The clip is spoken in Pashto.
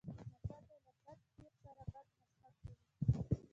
متل دی: له بد پیر سره بد مذهب جوړېږي.